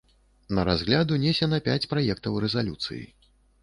На разгляд унесена пяць праектаў рэзалюцыі.